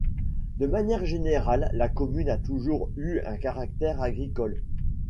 De manière générale, la commune a toujours eu un caractère agricole.